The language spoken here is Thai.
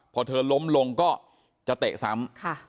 พอเธอล้มลงก็จะเตะซ้ำ